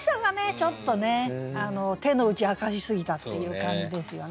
ちょっとね手の内明かしすぎたっていう感じですよね。